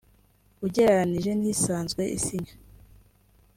ugereranije n’isanzwe isinywa